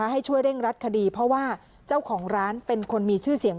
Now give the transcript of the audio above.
ให้ช่วยเร่งรัดคดีเพราะว่าเจ้าของร้านเป็นคนมีชื่อเสียง